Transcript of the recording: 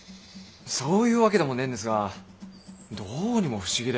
そういうわけでもねえんですがどうにも不思議で。